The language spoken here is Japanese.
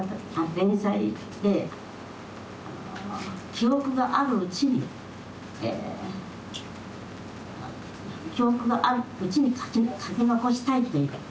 記憶があるうちに記憶があるうちに描き残したいという思いだったんですね。